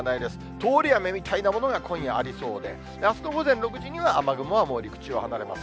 通り雨みたいなものが、今夜ありそうで、あすの午前６時には雨雲はもう、陸地を離れます。